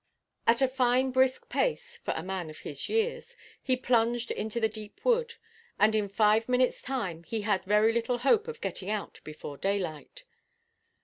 At a fine brisk pace, for a man of his years, he plunged into the deep wood, and in five minutesʼ time he had very little hope of getting out before daylight.